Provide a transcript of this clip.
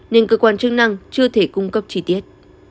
nên cơ quan chức năng chưa thể cung cấp chi tiết